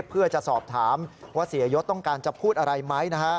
เพื่อจะสอบถามว่าเสียยศต้องการจะพูดอะไรไหม